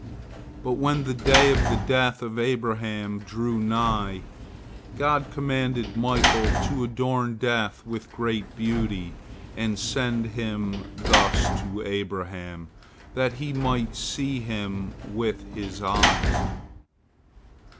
But when the day of the death of Abraham drew nigh, God commanded Michael to adorn Death with great beauty and send him thus to Abraham, that he might see him with his eyes.